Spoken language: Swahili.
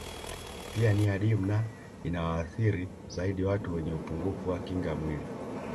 Pia ni adimu na inawaathiri zaidi watu wenye upungufu wa kinga mwili